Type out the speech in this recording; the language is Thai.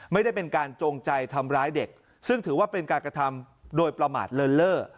ไม่ได้เป็นการจงใจทำร้ายเด็กซึ่งถือว่าเป็นการกระทำโดยประมาทเลินเล่อ